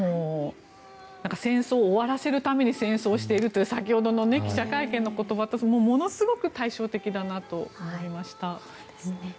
戦争を終わらせるために戦争をしているという先ほどの記者会見の言葉とものすごく対照的だなと思いました。